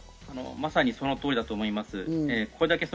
まさに、その通りだと思います。